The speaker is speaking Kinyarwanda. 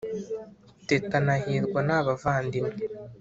teta na hirwa ni abavandimwe